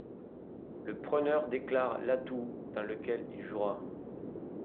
Le preneur déclare l'atout dans lequel il jouera.